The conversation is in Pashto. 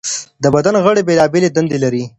د بدن غړي بېلابېلې دندې لري.